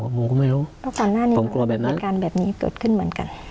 ผมก็ไม่รู้ผมกลัวแบบนั้น